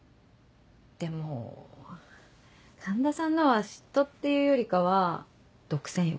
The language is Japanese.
でも環田さんのは嫉妬っていうよりかは独占欲？